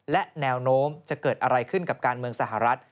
และแนวโน้มจะเกิดอะไรขึ้นกับการเมืองสหรัฐ